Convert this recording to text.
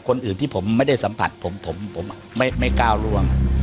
คนอื่นที่ผมไม่ได้สัมผัสผมผมไม่ก้าวร่วง